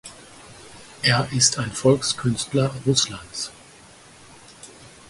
Er ist ein Volkskünstler Russlands.